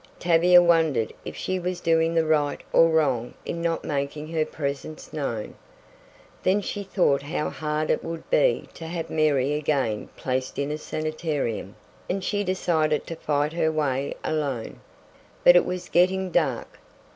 Tavia wondered if she was doing right or wrong in not making her presence known. Then she thought how hard it would be to have Mary again placed in a sanitarium, and she decided to fight her way alone. But it was getting dark.